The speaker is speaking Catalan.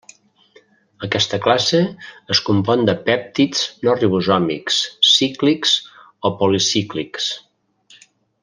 Aquesta classe es compon de pèptids no ribosòmics cíclics o policíclics.